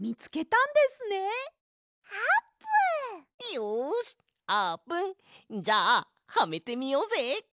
よしあーぷんじゃあはめてみようぜ！